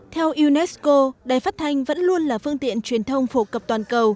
theo unesco đài phát thanh vẫn luôn là phương tiện truyền thông phổ cập toàn cầu